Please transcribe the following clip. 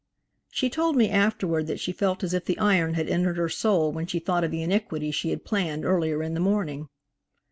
She told me afterward that she felt as if the iron had entered her soul when she thought of the iniquity she had planned earlier in the morning.